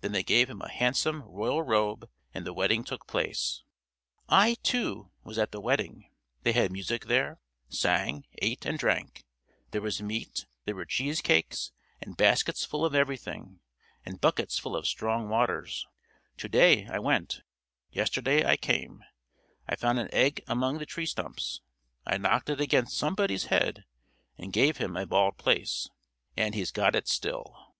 Then they gave him a handsome royal robe, and the wedding took place. I, too, was at the wedding; they had music there, sang, ate, and drank; there was meat, there were cheesecakes, and baskets full of everything, and buckets full of strong waters. To day I went, yesterday I came; I found an egg among the tree stumps; I knocked it against somebody's head, and gave him a bald place, and he's got it still.